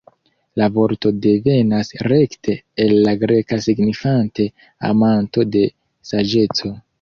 La vorto devenas rekte el la greka signifante "Amanto de saĝeco".